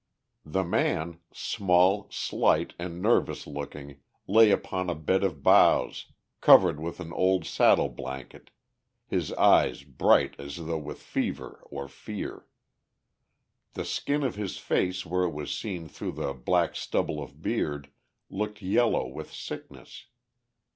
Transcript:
The man, small, slight and nervous looking, lay upon a bed of boughs, covered with an old saddle blanket, his eyes bright as though with fever or fear. The skin of his face where it was seen through the black stubble of beard looked yellow with sickness.